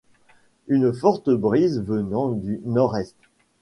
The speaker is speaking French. Une forte brise, venant du nord-est